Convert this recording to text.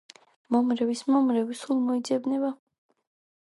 მომრევის მომრევი სულ მოიძებნება